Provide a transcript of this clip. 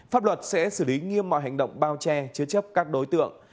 pháp luật sẽ xử lý nghiêm mọi hành động bao che chứa chấp các đối tượng